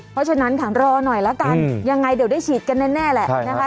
เพราะฉะนั้นค่ะรอหน่อยละกันยังไงเดี๋ยวได้ฉีดกันแน่แหละนะคะ